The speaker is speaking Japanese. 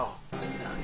何！？